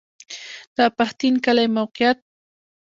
د پښتین کلی موقعیت